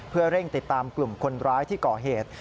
เพื่อเร่งติดตามกลุ่มคนร้ายที่ก่อเหตุ